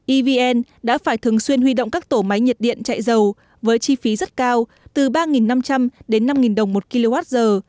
evn đã phải thường xuyên huy động các tổ máy nhiệt điện chạy dầu với chi phí rất cao từ ba năm trăm linh đến năm đồng một kwh